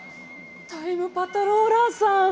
タイムパトローラーさん。